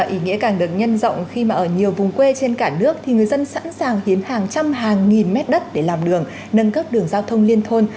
ý nghĩa càng được nhân rộng khi mà ở nhiều vùng quê trên cả nước thì người dân sẵn sàng hiến hàng trăm hàng nghìn mét đất để làm đường nâng cấp đường giao thông liên thôn